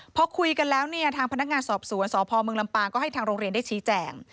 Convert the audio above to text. พอคุยกันแล้วเนี่ยทางพนักงานสอบสวนสพมลำปางก็ให้ทางโรงเรียนได้ชี้แจง